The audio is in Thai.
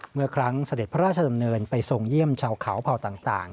เมื่อครั้งเสด็จพระราชดำเนินไปทรงเยี่ยมชาวเขาเผ่าต่าง